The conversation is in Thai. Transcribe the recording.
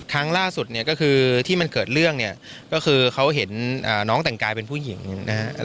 ครั้งล่าสุดเนี่ยก็คือที่มันเกิดเรื่องเนี่ยก็คือเขาเห็นน้องแต่งกายเป็นผู้หญิงนะฮะ